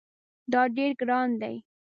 دا ډیر ګران دی